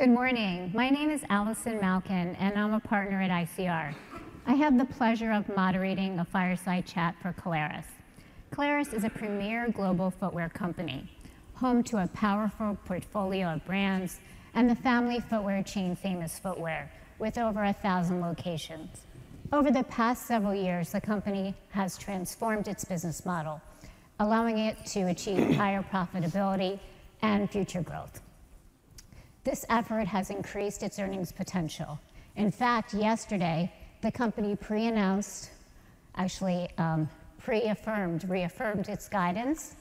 Good morning. My name is Allison Malkin, and I'm a partner at ICR. I have the pleasure of moderating a Fireside Chat for Caleres. Caleres is a premier global footwear company, home to a powerful portfolio of brands and the family footwear chain, Famous Footwear, with over 1,000 locations. Over the past several years, the company has transformed its business model, allowing it to achieve higher profitability and future growth. This effort has increased its earnings potential. In fact, yesterday, the company pre-announced, actually, pre-affirmed, reaffirmed its guidance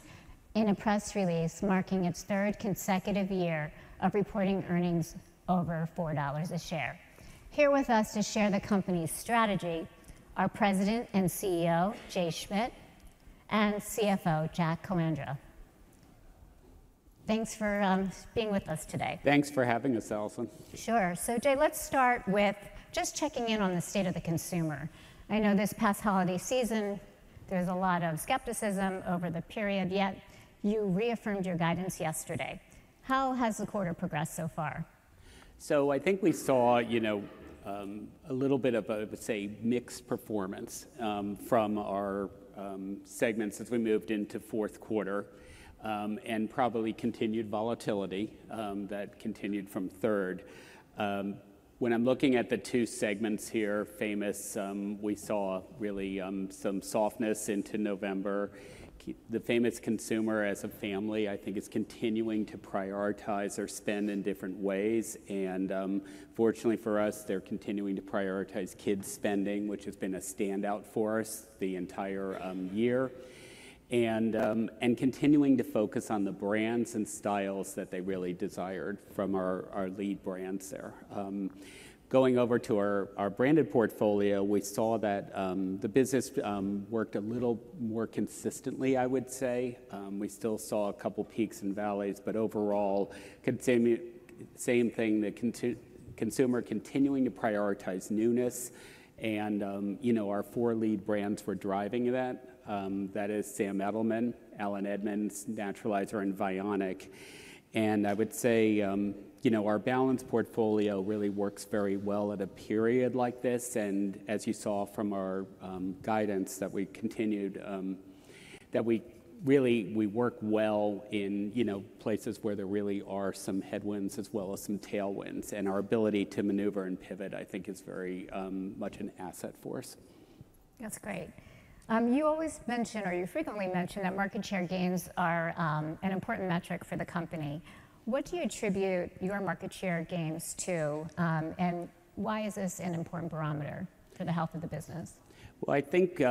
in a press release, marking its third consecutive year of reporting earnings over $4 a share. Here with us to share the company's strategy are President and CEO Jay Schmidt and CFO Jack Calandra. Thanks for being with us today. Thanks for having us, Allison. Sure. So, Jay, let's start with just checking in on the state of the consumer. I know this past holiday season, there's a lot of skepticism over the period, yet you reaffirmed your guidance yesterday. How has the quarter progressed so far? So I think we saw, you know, a little bit of a, say, mixed performance, from our segments as we moved into fourth quarter, and probably continued volatility, that continued from third. When I'm looking at the two segments here, Famous, we saw really, some softness into November. The Famous consumer as a family, I think, is continuing to prioritize their spend in different ways, and, fortunately for us, they're continuing to prioritize kids' spending, which has been a standout for us the entire year. And continuing to focus on the brands and styles that they really desired from our, our lead brands there. Going over to our branded portfolio, we saw that, the business, worked a little more consistently, I would say. We still saw a couple peaks and valleys, but overall, consumer continuing to prioritize newness and, you know, our four lead brands were driving that. That is Sam Edelman, Allen Edmonds, Naturalizer, and Vionic. And I would say, you know, our Brand Portfolio really works very well at a period like this, and as you saw from our, guidance, that we continued... that we really, we work well in, you know, places where there really are some headwinds as well as some tailwinds, and our ability to maneuver and pivot, I think, is very much an asset for us. That's great. You always mention, or you frequently mention, that market share gains are an important metric for the company. What do you attribute your market share gains to? And why is this an important barometer for the health of the business? Well, I think,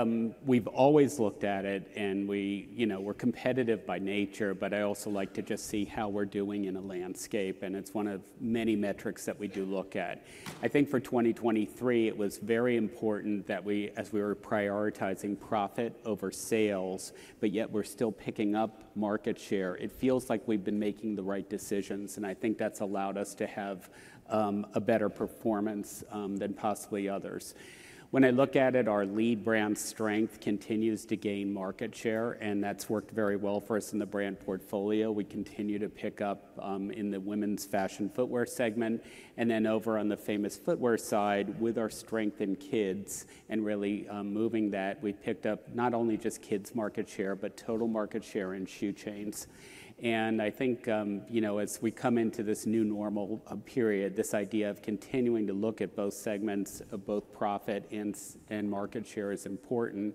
we've always looked at it, and we, you know, we're competitive by nature, but I also like to just see how we're doing in a landscape, and it's one of many metrics that we do look at. I think for 2023, it was very important that we, as we were prioritizing profit over sales, but yet we're still picking up market share. It feels like we've been making the right decisions, and I think that's allowed us to have, a better performance, than possibly others. When I look at it, our lead brand strength continues to gain market share, and that's worked very well for us in the Brand Portfolio. We continue to pick up in the women's fashion footwear segment, and then over on the Famous Footwear side, with our strength in kids and really moving that, we picked up not only just kids' market share, but total market share in shoe chains. And I think, you know, as we come into this new normal period, this idea of continuing to look at both segments of both profit and market share is important.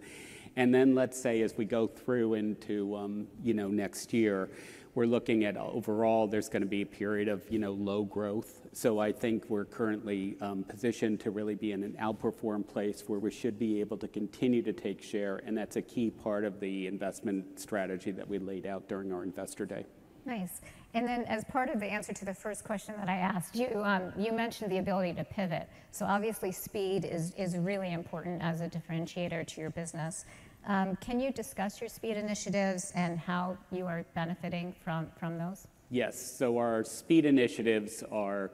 And then, let's say, as we go through into, you know, next year, we're looking at overall, there's gonna be a period of, you know, low growth. So I think we're currently positioned to really be in an outperform place, where we should be able to continue to take share, and that's a key part of the investment strategy that we laid out during our investor day. Nice. And then, as part of the answer to the first question that I asked you, you mentioned the ability to pivot. So obviously, speed is really important as a differentiator to your business. Can you discuss your speed initiatives and how you are benefiting from those? Yes. So our speed initiatives are.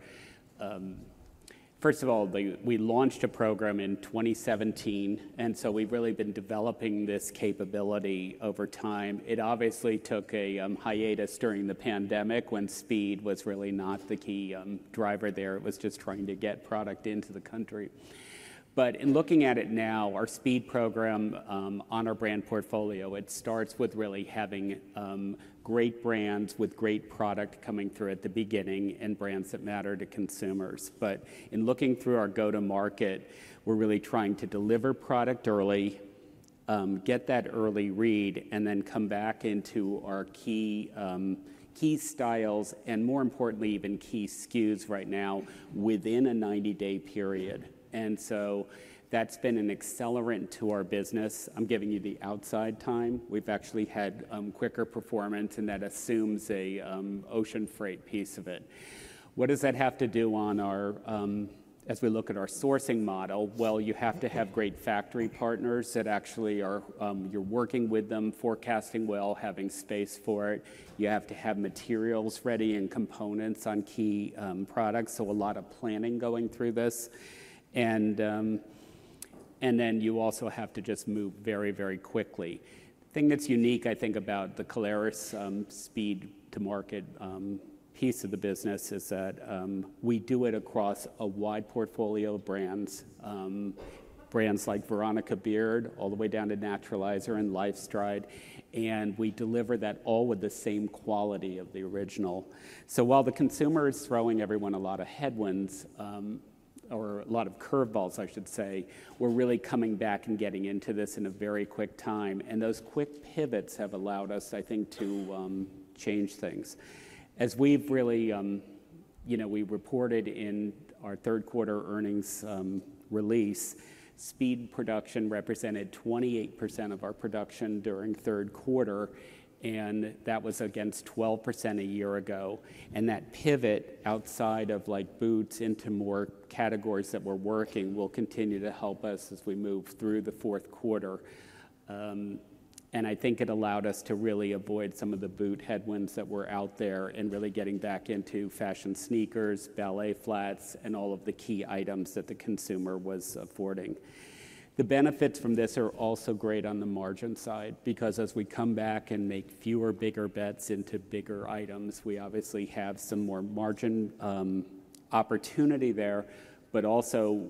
First of all, we launched a program in 2017, and so we've really been developing this capability over time. It obviously took a hiatus during the pandemic, when speed was really not the key driver there. It was just trying to get product into the country. But in looking at it now, our speed program on our Brand Portfolio, it starts with really having great brands with great product coming through at the beginning and brands that matter to consumers. But in looking through our go-to-market, we're really trying to deliver product early, get that early read, and then come back into our key key styles, and more importantly, even key SKUs right now, within a 90-day period, and so that's been an accelerant to our business. I'm giving you the outside time. We've actually had quicker performance, and that assumes a ocean freight piece of it. What does that have to do on our, as we look at our sourcing model? Well, you have to have great factory partners that actually are you're working with them, forecasting well, having space for it. You have to have materials ready and components on key products, so a lot of planning going through this. And then you also have to just move very, very quickly. The thing that's unique, I think, about the Caleres speed to market piece of the business is that we do it across a wide portfolio of brands, brands like Veronica Beard, all the way down to Naturalizer and LifeStride, and we deliver that all with the same quality of the original. So while the consumer is throwing everyone a lot of headwinds, or a lot of curveballs, I should say, we're really coming back and getting into this in a very quick time, and those quick pivots have allowed us, I think, to change things. As we've really, you know, we reported in our third quarter earnings release, speed production represented 28% of our production during third quarter, and that was against 12% a year ago, and that pivot outside of, like, boots into more categories that were working will continue to help us as we move through the fourth quarter. And I think it allowed us to really avoid some of the boot headwinds that were out there and really getting back into fashion sneakers, ballet flats, and all of the key items that the consumer was affording. The benefits from this are also great on the margin side, because as we come back and make fewer, bigger bets into bigger items, we obviously have some more margin opportunity there, but also,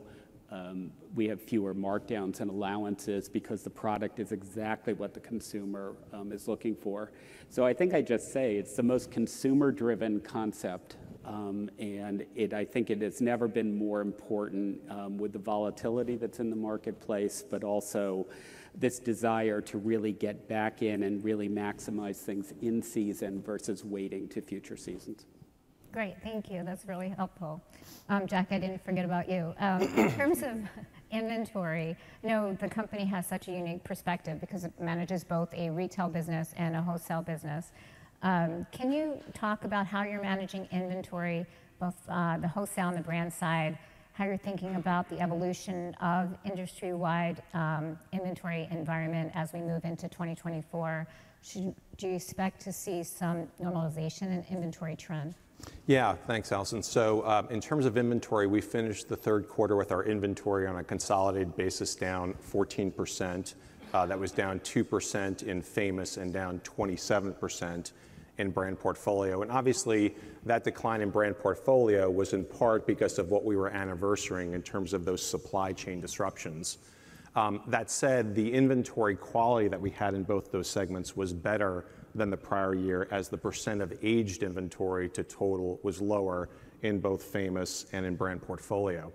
we have fewer markdowns and allowances because the product is exactly what the consumer is looking for. So I think I just say it's the most consumer-driven concept, and it. I think it has never been more important, with the volatility that's in the marketplace, but also this desire to really get back in and really maximize things in season versus waiting to future seasons. Great. Thank you. That's really helpful. Jack, I didn't forget about you. In terms of inventory, you know the company has such a unique perspective because it manages both a retail business and a wholesale business. Can you talk about how you're managing inventory, both the wholesale and the brand side, how you're thinking about the evolution of industry-wide inventory environment as we move into 2024? Do you expect to see some normalization in inventory trend? Yeah. Thanks, Allison. So, in terms of inventory, we finished the third quarter with our inventory on a consolidated basis, down 14%. That was down 2% in Famous and down 27% in Brand Portfolio. And obviously, that decline in Brand Portfolio was in part because of what we were anniversarying in terms of those supply chain disruptions. That said, the inventory quality that we had in both those segments was better than the prior year, as the percent of aged inventory to total was lower in both Famous and in Brand Portfolio.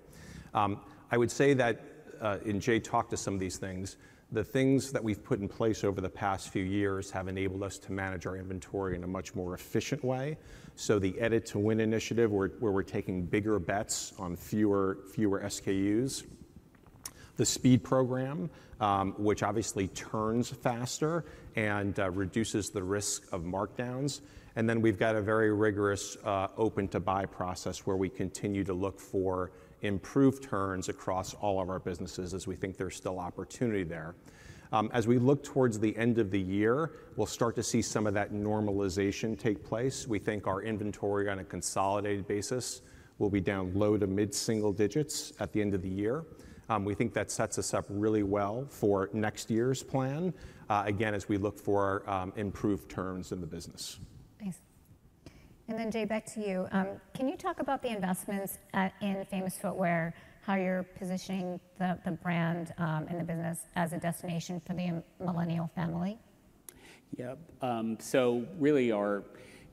I would say that, and Jay talked to some of these things, the things that we've put in place over the past few years have enabled us to manage our inventory in a much more efficient way. So the Edit to Win initiative, where we're taking bigger bets on fewer SKUs. The Speed Program, which obviously turns faster and reduces the risk of markdowns. And then we've got a very rigorous open-to-buy process, where we continue to look for improved turns across all of our businesses as we think there's still opportunity there. As we look towards the end of the year, we'll start to see some of that normalization take place. We think our inventory on a consolidated basis will be down low to mid-single digits at the end of the year. We think that sets us up really well for next year's plan, again, as we look for improved turns in the business. Thanks. And then, Jay, back to you. Can you talk about the investments in Famous Footwear, how you're positioning the brand and the business as a destination for the millennial family? Yeah. So really our,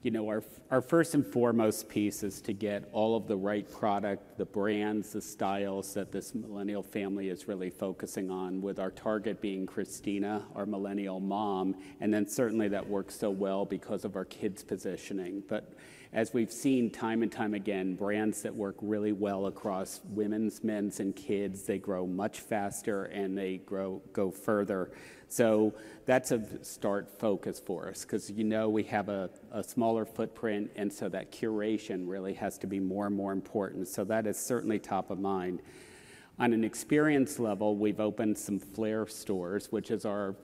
you know, our first and foremost piece is to get all of the right product, the brands, the styles that this millennial family is really focusing on, with our target being Christina, our millennial mom, and then certainly that works so well because of our kids' positioning. But as we've seen time and time again, brands that work really well across women's, men's, and kids, they grow much faster, and they go further. So that's a start focus for us 'cause, you know, we have a smaller footprint, and so that curation really has to be more and more important. So that is certainly top of mind. On an experience level, we've opened some Flair stores, which is our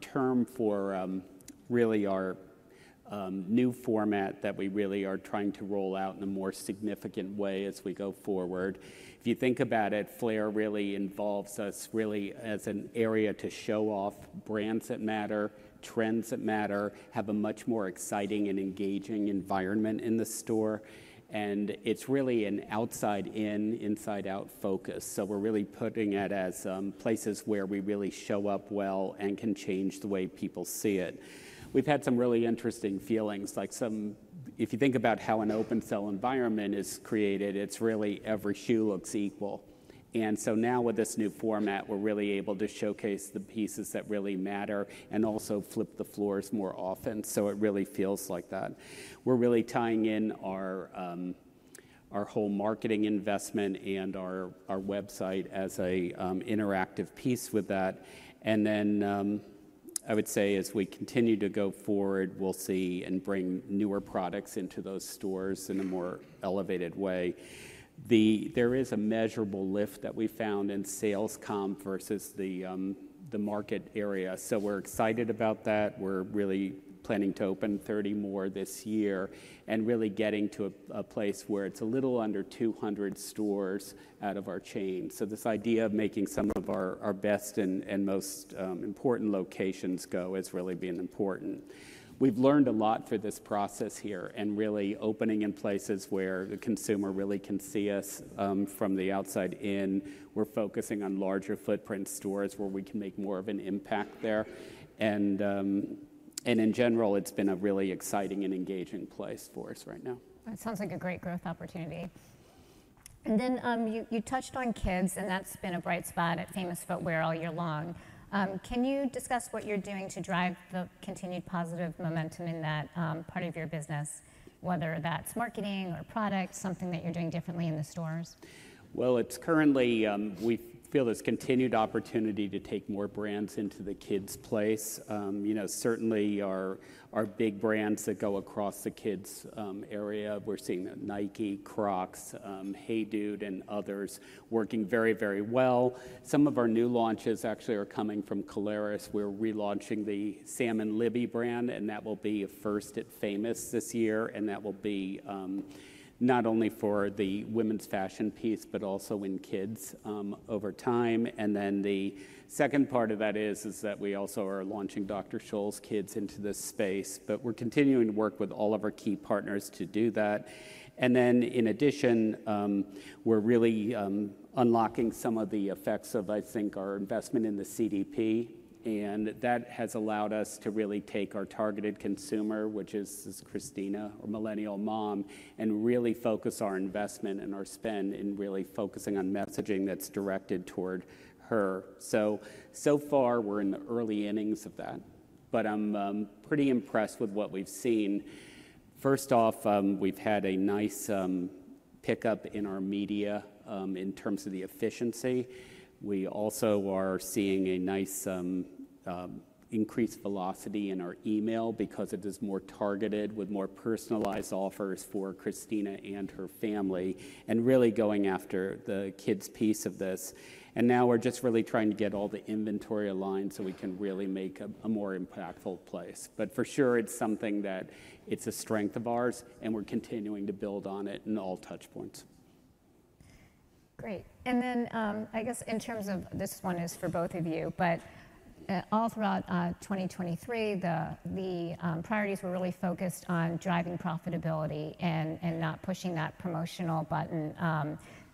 term for really our new format that we really are trying to roll out in a more significant way as we go forward. If you think about it, Flair really involves us really as an area to show off brands that matter, trends that matter, have a much more exciting and engaging environment in the store, and it's really an outside in, inside out focus. So we're really putting it as places where we really show up well and can change the way people see it. We've had some really interesting feelings, like some if you think about how an open-sale environment is created, it's really every shoe looks equal. And so now with this new format, we're really able to showcase the pieces that really matter and also flip the floors more often, so it really feels like that. We're really tying in our whole marketing investment and our website as an interactive piece with that, and then I would say as we continue to go forward, we'll see and bring newer products into those stores in a more elevated way. There is a measurable lift that we found in sales comp versus the market area, so we're excited about that. We're really planning to open 30 more this year and really getting to a place where it's a little under 200 stores out of our chain. So this idea of making some of our best and most important locations go is really being important. We've learned a lot through this process here, and really opening in places where the consumer really can see us, from the outside in. We're focusing on larger footprint stores where we can make more of an impact there. And, and in general, it's been a really exciting and engaging place for us right now. That sounds like a great growth opportunity. And then, you touched on kids, and that's been a bright spot at Famous Footwear all year long. Can you discuss what you're doing to drive the continued positive momentum in that part of your business, whether that's marketing or product, something that you're doing differently in the stores? Well, it's currently, we feel there's continued opportunity to take more brands into the kids' place. You know, certainly our big brands that go across the kids' area, we're seeing Nike, Crocs, HEYDUDE, and others working very, very well. Some of our new launches actually are coming from Caleres. We're relaunching the Sam & Libby brand, and that will be a first at Famous this year, and that will be not only for the women's fashion piece, but also in kids' over time. And then the second part of that is that we also are launching Dr. Scholl's kids into this space, but we're continuing to work with all of our key partners to do that. And then in addition, we're really unlocking some of the effects of, I think, our investment in the CDP, and that has allowed us to really take our targeted consumer, which is this Christina or millennial mom, and really focus our investment and our spend in really focusing on messaging that's directed toward her. So, so far, we're in the early innings of that, but I'm pretty impressed with what we've seen. First off, we've had a nice pickup in our media in terms of the efficiency. We also are seeing a nice increased velocity in our email because it is more targeted with more personalized offers for Christina and her family, and really going after the kids' piece of this. And now we're just really trying to get all the inventory aligned so we can really make a more impactful place. But for sure, it's something that it's a strength of ours, and we're continuing to build on it in all touch points. Great. And then, I guess in terms of, this one is for both of you, but, all throughout 2023, the priorities were really focused on driving profitability and not pushing that promotional button.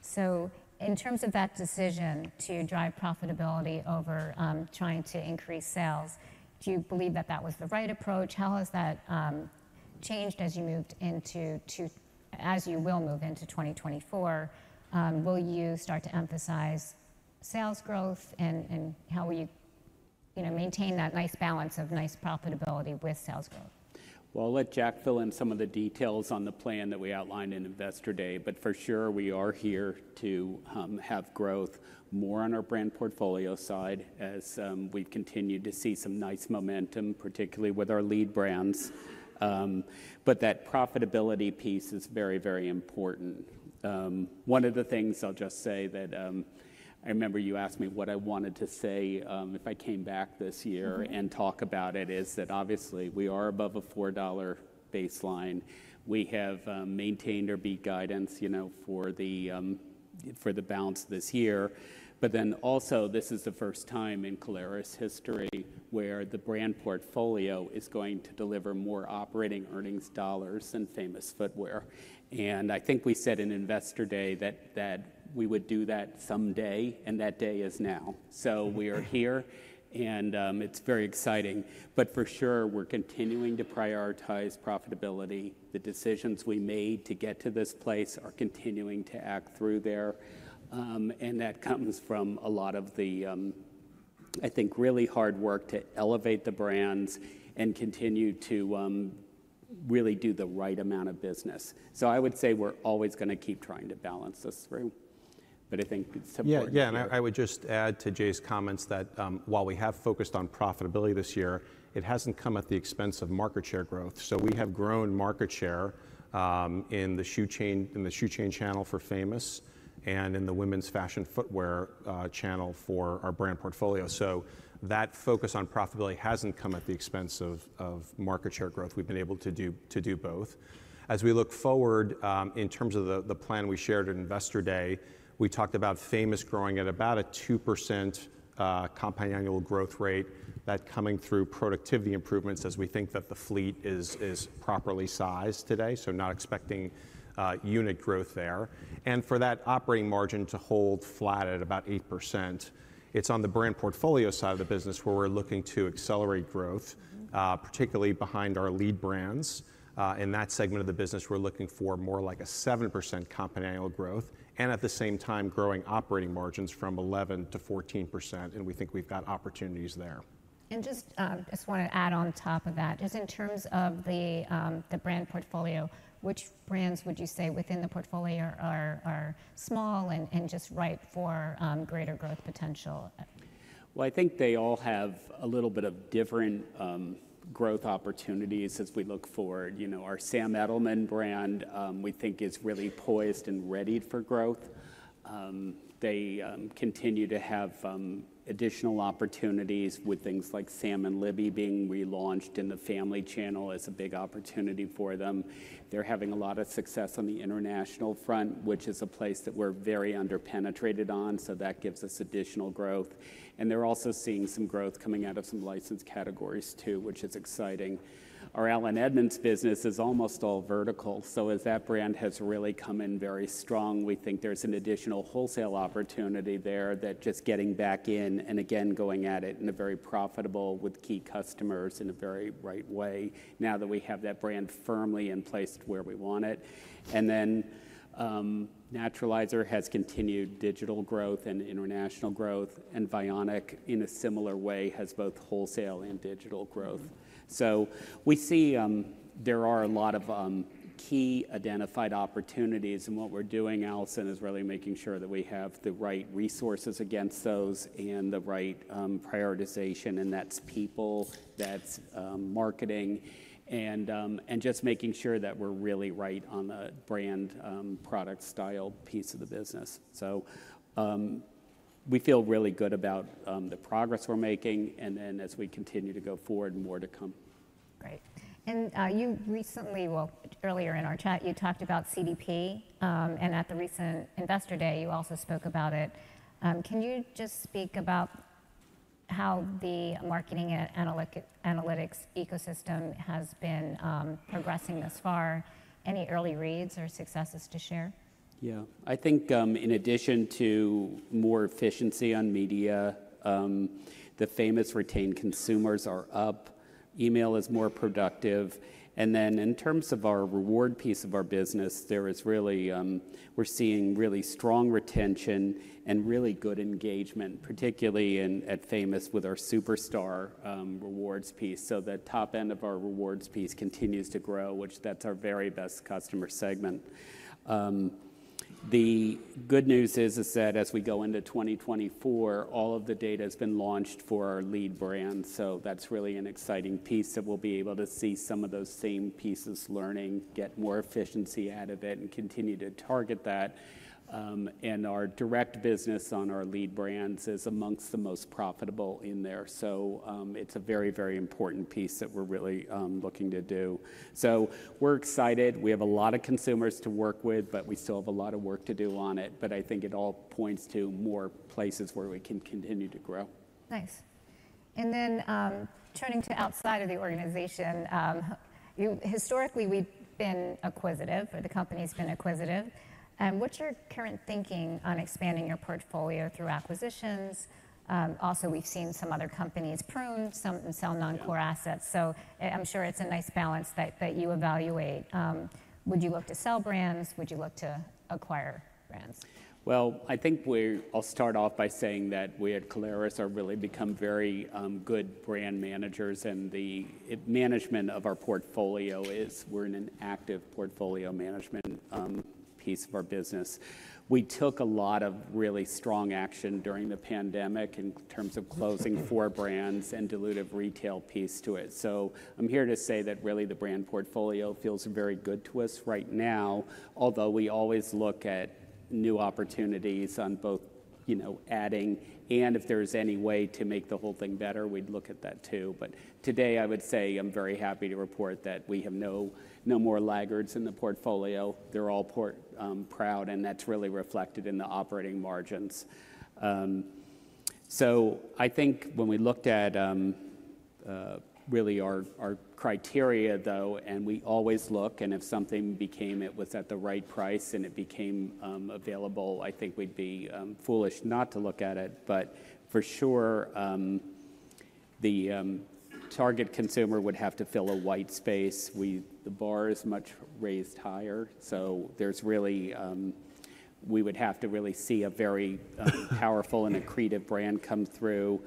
So in terms of that decision to drive profitability over trying to increase sales, do you believe that that was the right approach? How has that changed as you will move into 2024, will you start to emphasize sales growth? And, and how will you, you know, maintain that nice balance of nice profitability with sales growth? Well, I'll let Jack fill in some of the details on the plan that we outlined in Investor Day, but for sure, we are here to have growth more on our Brand Portfolio side as we've continued to see some nice momentum, particularly with our lead brands. But that profitability piece is very, very important. One of the things I'll just say that I remember you asked me what I wanted to say if I came back this year- Mm-hmm. And talk about it is that obviously we are above a $4 baseline. We have maintained our beat guidance, you know, for the balance this year. But then also, this is the first time in Caleres history where the Brand Portfolio is going to deliver more operating earnings dollars than Famous Footwear. And I think we said in Investor Day that we would do that someday, and that day is now. So we are here, and it's very exciting. But for sure, we're continuing to prioritize profitability. The decisions we made to get to this place are continuing to act through there, and that comes from a lot of the, I think, really hard work to elevate the brands and continue to really do the right amount of business. So I would say we're always gonna keep trying to balance this through, but I think it's important for... Yeah, yeah, and I would just add to Jay's comments that while we have focused on profitability this year, it hasn't come at the expense of market share growth. So we have grown market share in the shoe chain channel for Famous, and in the women's fashion footwear channel for our Brand Portfolio. So that focus on profitability hasn't come at the expense of market share growth. We've been able to do both. As we look forward, in terms of the plan we shared at Investor Day, we talked about Famous growing at about a 2% compound annual growth rate, that coming through productivity improvements as we think that the fleet is properly sized today, so not expecting unit growth there. For that operating margin to hold flat at about 8%, it's on the Brand Portfolio side of the business where we're looking to accelerate growth- Mm-hmm.... particularly behind our lead brands. In that segment of the business, we're looking for more like a 7% compound annual growth, and at the same time, growing operating margins from 11%-14%, and we think we've got opportunities there. And just, I just wanna add on top of that. Just in terms of the Brand Portfolio, which brands would you say within the portfolio are small and just ripe for greater growth potential? Well, I think they all have a little bit of different growth opportunities as we look forward. You know, our Sam Edelman brand, we think is really poised and ready for growth. They continue to have additional opportunities with things like Sam & Libby being relaunched in the family channel is a big opportunity for them. They're having a lot of success on the international front, which is a place that we're very under-penetrated on, so that gives us additional growth. They're also seeing some growth coming out of some licensed categories, too, which is exciting. Our Allen Edmonds business is almost all vertical, so as that brand has really come in very strong, we think there's an additional wholesale opportunity there that just getting back in and again going at it in a very profitable with key customers in a very right way, now that we have that brand firmly in place where we want it. And then, Naturalizer has continued digital growth and international growth, and Vionic, in a similar way, has both wholesale and digital growth. So we see, there are a lot of key identified opportunities, and what we're doing, Allison, is really making sure that we have the right resources against those and the right prioritization, and that's people, that's marketing, and and just making sure that we're really right on the brand product style piece of the business. We feel really good about the progress we're making, and then as we continue to go forward, more to come. Great. And, well, earlier in our chat, you talked about CDP, and at the recent Investor Day, you also spoke about it. Can you just speak about how the marketing and analytics ecosystem has been progressing thus far? Any early reads or successes to share? Yeah. I think, in addition to more efficiency on media, the Famous retained consumers are up, email is more productive, and then in terms of our reward piece of our business, there is really, we're seeing really strong retention and really good engagement, particularly at Famous with our Superstar rewards piece. So the top end of our rewards piece continues to grow, which that's our very best customer segment. The good news is that as we go into 2024, all of the data has been launched for our lead brand, so that's really an exciting piece that we'll be able to see some of those same pieces learning, get more efficiency out of it, and continue to target that. And our direct business on our lead brands is amongst the most profitable in there. So, it's a very, very important piece that we're really looking to do. So we're excited. We have a lot of consumers to work with, but we still have a lot of work to do on it, but I think it all points to more places where we can continue to grow. Nice. And then, turning to outside of the organization, you historically, we've been acquisitive, or the company's been acquisitive. What's your current thinking on expanding your portfolio through acquisitions? Also, we've seen some other companies prune, some sell non-core assets, so I'm sure it's a nice balance that you evaluate. Would you look to sell brands? Would you look to acquire brands? Well, I think I'll start off by saying that we at Caleres are really become very good brand managers, and the management of our portfolio is. We're in an active portfolio management piece of our business. We took a lot of really strong action during the pandemic in terms of closing four brands and dilutive retail piece to it. So I'm here to say that really the Brand Portfolio feels very good to us right now, although we always look at new opportunities on both, you know, adding, and if there's any way to make the whole thing better, we'd look at that, too. But today, I would say I'm very happy to report that we have no, no more laggards in the portfolio. They're all performing proud, and that's really reflected in the operating margins. So I think when we looked at, really our criteria, though, and we always look, and if something became it was at the right price and it became available, I think we'd be foolish not to look at it. But for sure, the target consumer would have to fill a white space. The bar is much raised higher, so there's really... We would have to really see a very powerful and accretive brand come through.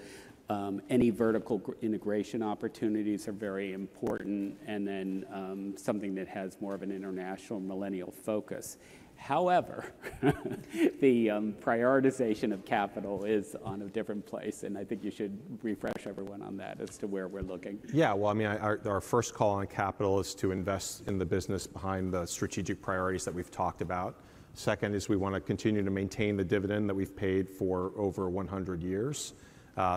Any vertical integration opportunities are very important, and then something that has more of an international millennial focus. However, the prioritization of capital is on a different place, and I think you should refresh everyone on that as to where we're looking. Yeah. Well, I mean, our first call on capital is to invest in the business behind the strategic priorities that we've talked about. Second is, we wanna continue to maintain the dividend that we've paid for over 100 years.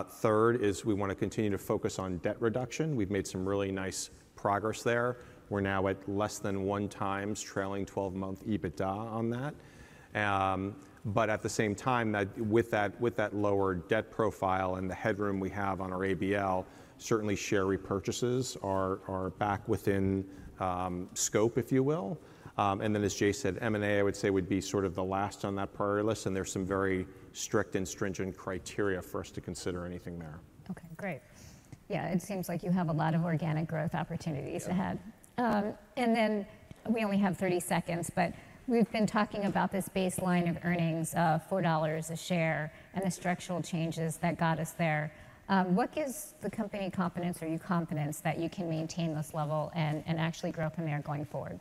Third is, we wanna continue to focus on debt reduction. We've made some really nice progress there. We're now at less than 1x trailing 12-month EBITDA on that. But at the same time, with that lower debt profile and the headroom we have on our ABL, certainly share repurchases are back within scope, if you will. And then, as Jay said, M&A, I would say, would be sort of the last on that priority list, and there's some very strict and stringent criteria for us to consider anything there. Okay, great. Yeah, it seems like you have a lot of organic growth opportunities ahead. Yeah. And then we only have 30 seconds, but we've been talking about this baseline of earnings, $4 a share, and the structural changes that got us there. What gives the company confidence or you confidence that you can maintain this level and, and actually grow from there going forward?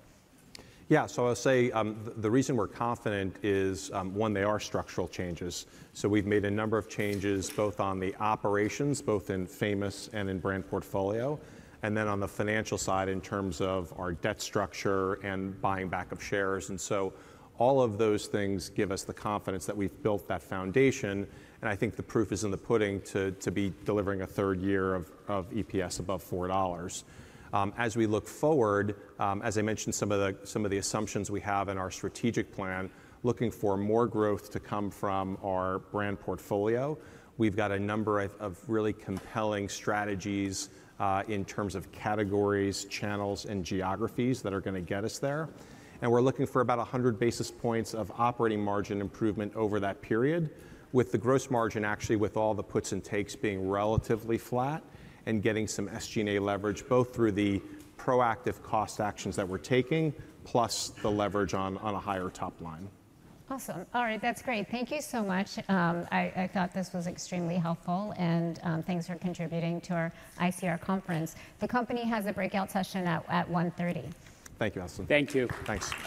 Yeah, so I'll say, the reason we're confident is, one, they are structural changes. So we've made a number of changes, both on the operations, both in Famous and in Brand Portfolio, and then on the financial side, in terms of our debt structure and buying back of shares. And so all of those things give us the confidence that we've built that foundation, and I think the proof is in the pudding to be delivering a third year of EPS above $4. As we look forward, as I mentioned, some of the assumptions we have in our strategic plan, looking for more growth to come from our Brand Portfolio. We've got a number of really compelling strategies in terms of categories, channels, and geographies that are gonna get us there. We're looking for about 100 basis points of operating margin improvement over that period, with the gross margin, actually, with all the puts and takes being relatively flat and getting some SG&A leverage, both through the proactive cost actions that we're taking, plus the leverage on a higher top line. Awesome. All right, that's great. Thank you so much. I thought this was extremely helpful, and thanks for contributing to Our ICR Conference. The company has a breakout session at 1:30P.M. Thank you, Allison. Thank you. Thanks.